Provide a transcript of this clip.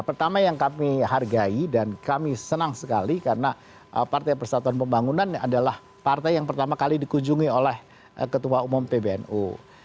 pertama yang kami hargai dan kami senang sekali karena partai persatuan pembangunan adalah partai yang pertama kali dikunjungi oleh ketua umum pbnu